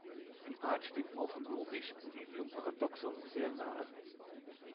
Die Art steht morphologisch "Lilium paradoxum" sehr nahe.